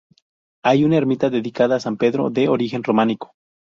Hay una ermita dedicada a San Pedro, de origen románico.